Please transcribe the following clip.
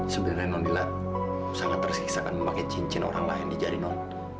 sebenarnya nonila sangat tersiksa kan memakai cincin orang lain di jari non